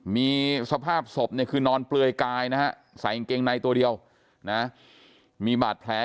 มีสภาพศพคือนอนเปลือยกายใส่อันเกงในตัวเดียวมีบาดแผล